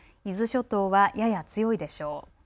伊豆諸島はやや強いでしょう。